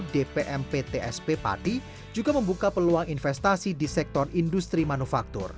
dpm ptsp pati juga membuka peluang investasi di sektor industri manufaktur